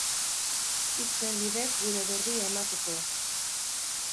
Hitzen bidez gure berri emateko.